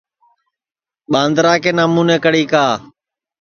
ٻاندرا کے نامونے کڑی کا